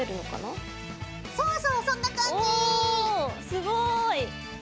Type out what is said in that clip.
すごい！